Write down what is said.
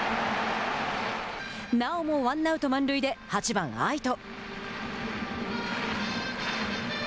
なおもワンアウト、満塁で８番愛斗。